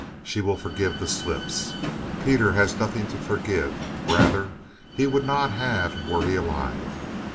She will forgive the slips. Peter has nothing to forgive; rather, he would not have were he alive.